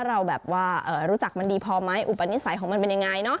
ว่าเรารู้จักมันดีพอไหมอุปนิสัยของมันเป็นอย่างไร